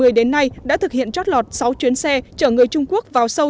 công an tỉnh lào cai đã thực hiện trót lọt sáu chuyến xe trở người trung quốc vào sâu